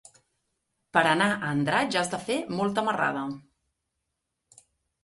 Per anar a Andratx has de fer molta marrada.